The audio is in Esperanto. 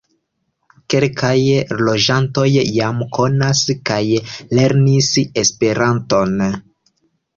Kelkaj loĝantoj jam konas kaj lernis Esperanton.